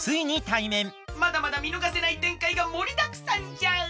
まだまだみのがせないてんかいがもりだくさんじゃ！